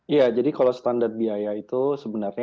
iya jadi kalau standar biaya itu sebenarnya